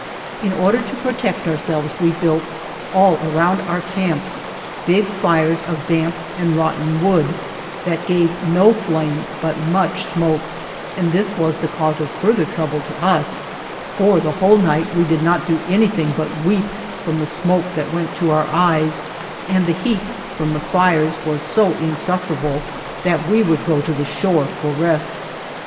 In order to protect ourselves we built, all around our camps, big fires of damp and rotten wood, that gave no flame but much smoke, and this was the cause of further trouble to us, for the whole night we did not do anything but weep from the smoke that went to our eyes, and the heat from the fires was so insufferable that we would go to the shore for rest.